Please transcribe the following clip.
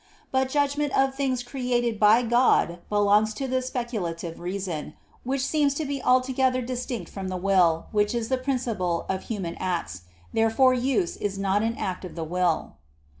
But judgment of things created by God belongs to the speculative reason; which seems to be altogether distinct from the will, which is the principle of human acts. Therefore use is not an act of the will.